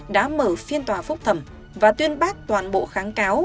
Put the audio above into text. đã mở phiên tòa phúc thẩm và tuyên bác toàn bộ kháng cáo